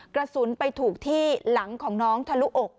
กระสุนไปถูกที่หลังของน้องทะลุอก